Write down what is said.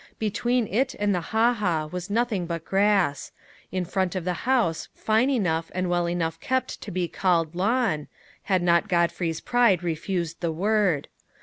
Between it and the ha ha was nothing but grass in front of the house fine enough and well enough kept to be called lawn, had not Godfrey's pride refused the word.